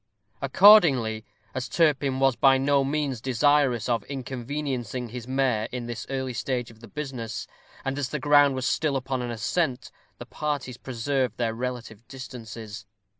Accordingly, as Turpin was by no means desirous of inconveniencing his mare in this early stage of the business, and as the ground was still upon an ascent, the parties preserved their relative distances.